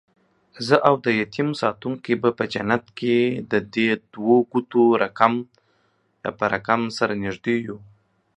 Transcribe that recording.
زه اودیتیم ساتونکی به په جنت کې ددې دوو ګوتو رکم، سره نږدې یو